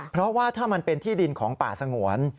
เพราะว่าถ้ามันเป็นที่ดินของป่าสงวน